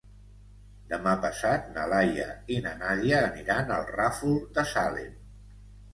Demà passat na Laia i na Nàdia aniran al Ràfol de Salem.